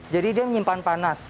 jadi dia menyimpan panas